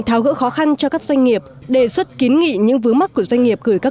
tháo gỡ khó khăn cho các doanh nghiệp đề xuất kiến nghị những vướng mắt của doanh nghiệp gửi các